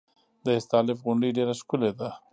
د استالف غونډۍ ډیره ښکلې ده